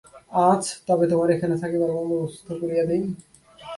আজ তবে তোমার এখানে থাকিবার বন্দোবস্ত করিয়া দিই।